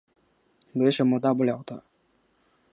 没什么大不了的